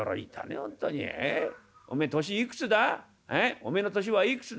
「おめえの年はいくつだ？」。